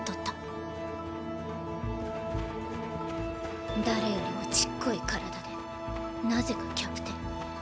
心の声誰よりもちっこい体でなぜかキャプテン。